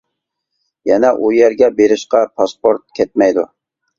يەنە ئۇ يەرگە بېرىشقا پاسپورت كەتمەيدۇ.